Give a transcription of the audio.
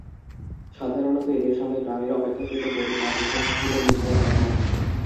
সাধারণত এদের সঙ্গে গ্রামের অপেক্ষাকৃত গরিব মাদ্রাসার ছাত্রদের মিল হওয়ার কথা নয়।